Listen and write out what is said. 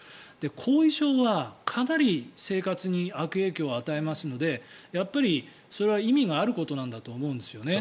後遺症はかなり生活に悪影響を与えますのでやっぱりそれは意味があることなんだと思いますよね。